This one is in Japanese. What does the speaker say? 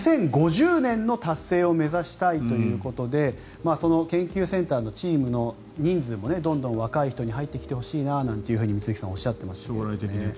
２０５０年の達成を目指したいということでその研究センターのチームもどんどん若い人に入ってきてほしいなと満行さんはおっしゃっていました。